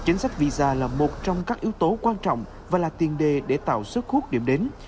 chính sách visa là một trong các yếu tố quan trọng và là tiền đề để tạo sức hút điểm đến